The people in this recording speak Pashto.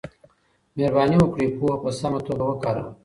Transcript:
مهرباني وکړئ پوهه په سمه توګه وکاروئ.